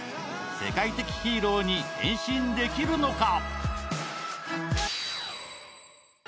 世界的ヒーローに変身できるのか？